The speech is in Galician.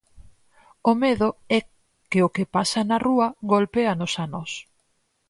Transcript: O medo é que o que pasa na rúa golpéanos a nós.